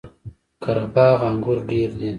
قره باغ انګور ډیر دي؟